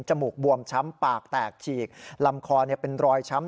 มูกบวมช้ำปากแตกฉีกลำคอเป็นรอยช้ำ